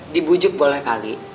dibujuk boleh kali